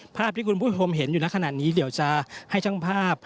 ภาพที่คุณผู้ชมเห็นอยู่ในขณะนี้เดี๋ยวจะให้ช่างภาพ